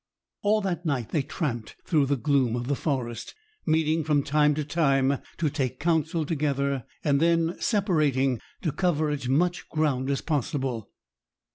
All that night they tramped through the gloom of the forest, meeting from time to time to take counsel together, and then separating, to cover as much ground as possible.